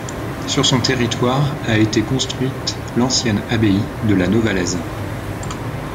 Sur son territoire a été construite l'ancienne Abbaye de la Novalaise.